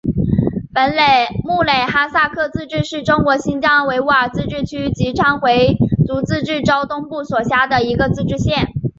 木垒哈萨克自治县是中国新疆维吾尔自治区昌吉回族自治州东部所辖的一个自治县。